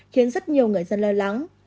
khiến rất nhiều người dân lo lắng